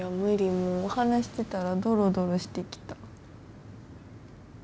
もう話してたらドロドロしてきた。